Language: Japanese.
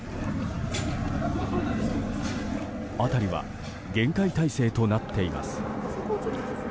辺りは厳戒態勢となっています。